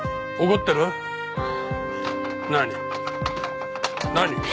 怒ってるよ！